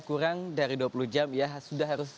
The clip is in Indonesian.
kurang dari dua puluh jam ya sudah harus